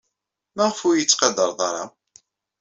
Maɣf ur iyi-tettqadar ara?